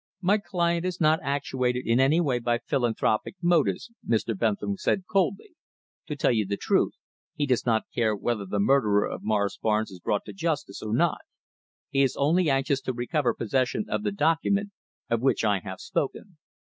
"My client is not actuated in any way by philanthropic motives," Mr. Bentham said coldly. "To tell you the truth, he does not care whether the murderer of Morris Barnes is brought to justice or not. He is only anxious to recover possession of the document of which I have spoken."